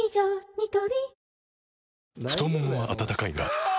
ニトリ太ももは温かいがあ！